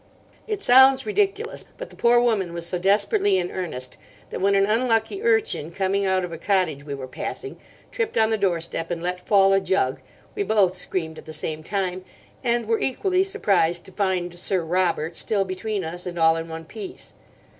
It sounds ridiculous, but the poor woman was so desperately in earnest that when an unlucky urchin, coming out of a cottage we were passing, tripped on the doorstep and let fall a jug, we both screamed at the same time, and were equally surprised to find 'Sir Robert' still between us and all in one piece.